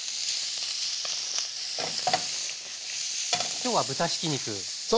今日は豚ひき肉ですね。